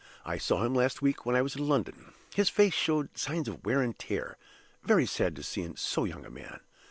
I saw him last week when I was in London. His face showed signs of wear and tear, very sad to see in so young a man.